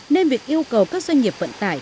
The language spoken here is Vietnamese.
nên việc yêu cầu các doanh nghiệp vận tải